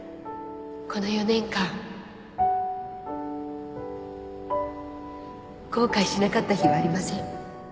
この４年間後悔しなかった日はありません